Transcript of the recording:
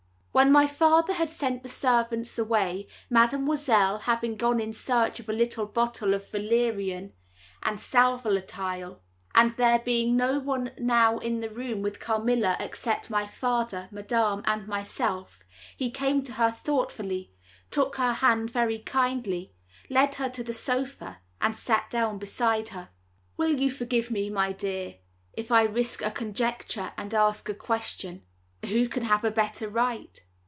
When my father had sent the servants away, Mademoiselle having gone in search of a little bottle of valerian and salvolatile, and there being no one now in the room with Carmilla, except my father, Madame, and myself, he came to her thoughtfully, took her hand very kindly, led her to the sofa, and sat down beside her. "Will you forgive me, my dear, if I risk a conjecture, and ask a question?" "Who can have a better right?"